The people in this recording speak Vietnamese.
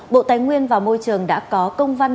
bộ tài nguyên và môi trường đã có công văn